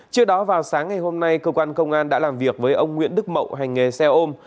trước đó vào sáng ngày hôm nay cơ quan công an đã làm việc với ông nguyễn đức mậu hành nghề xe ôm